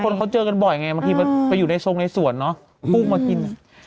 คนเขาเจอกันบ่อยไงบางทีมันไปอยู่ในชงในสวนเนอะกุ้งมากิน